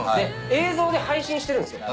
映像で配信してるんですよ。